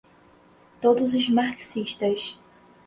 todos os marxistas